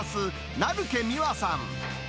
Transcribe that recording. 成毛美和さん。